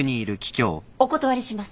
お断りします。